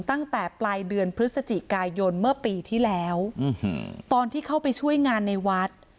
ตั้งแต่ปลายเดือนพฤศจิกายนเมื่อปีที่แล้วตอนที่เข้าไปช่วยงานในวัด